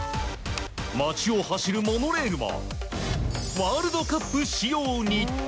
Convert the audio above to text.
街を走るモノレールもワールドカップ仕様に。